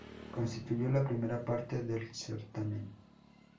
Constituyó la primera parte del certamen.